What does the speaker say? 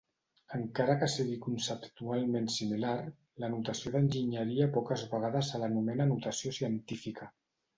Encara que sigui conceptualment similar, la notació d'enginyeria poques vegades se l'anomena notació científica.